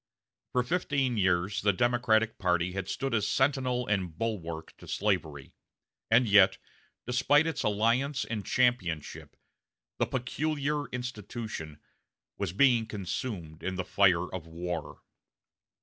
For fifteen years the Democratic party had stood as sentinel and bulwark to slavery, and yet, despite its alliance and championship, the "peculiar institution" was being consumed in the fire of war.